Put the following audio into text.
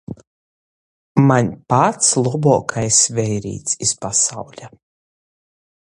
Maņ pats lobuokais veirīts iz pasauļa...